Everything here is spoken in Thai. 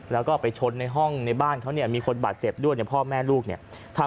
แล้วก็ไปช้นในห้องบ้านเขามีคนบาดเจ็บด้วย